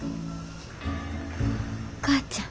お母ちゃん。